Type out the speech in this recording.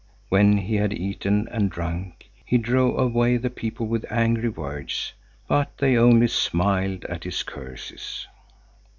When he had eaten and drunk, he drove away the people with angry words, but they only smiled at his curses.